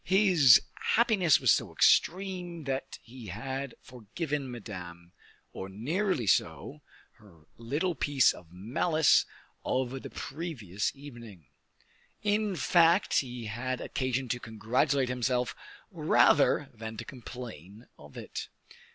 his happiness was so extreme that he had forgiven Madame, or nearly so, her little piece of malice of the previous evening. In fact, he had occasion to congratulate himself rather than to complain of it.